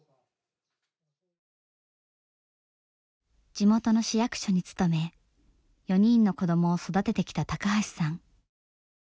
地元の市役所に勤め４人の子供を育ててきた高橋さん。